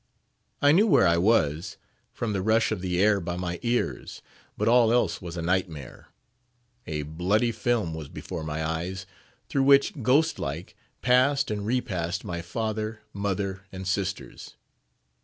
I knew where I was, from the rush of the air by my ears, but all else was a nightmare. A bloody film was before my eyes, through which, ghost like, passed and repassed my father, mother, and sisters.